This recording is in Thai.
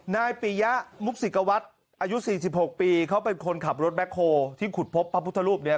นายปียะมุกศิกวัตรอายุ๔๖ปีเขาเป็นคนขับรถแบ็คโฮที่ขุดพบพระพุทธรูปเนี่ย